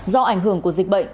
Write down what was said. do ảnh hưởng của dịch bệnh